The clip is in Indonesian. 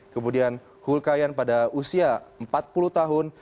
kemudian hu kaiyan pada usia empat puluh tahun